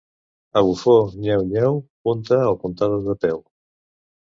A bufó nyeu-nyeu, punta o puntada de peu.